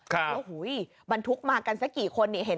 ขาวโหวมันทุกข์มากัน